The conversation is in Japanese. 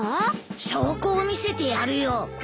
証拠を見せてやるよ。